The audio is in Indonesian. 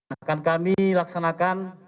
akan kami laksanakan